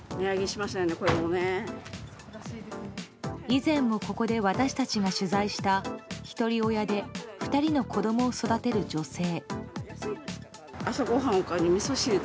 以前もここで私たちが取材したひとり親で２人の子供を育てる女性。